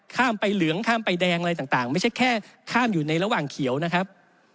ข้ามไปเหลืองข้ามไปแดงอะไรต่างไม่ใช่แค่ข้ามอยู่ในระหว่างเขียวนะครับ